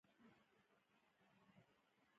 زه د سولي ملاتړی یم.